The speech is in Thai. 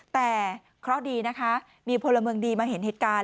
แต่เคราะห์ดีนะคะมีพลเมืองดีมาเห็นเหตุการณ์